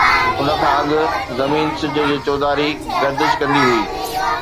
ان کان اڳ زمين سج جي چوڌاري گردش ڪندي هئي.